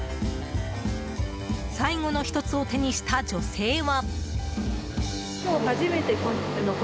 最後の１つを手にした女性は。